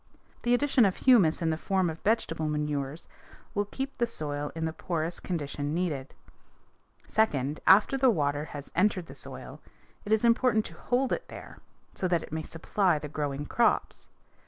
The addition of humus in the form of vegetable manures will keep the soil in the porous condition needed. Second, after the water has entered the soil it is important to hold it there so that it may supply the growing crops.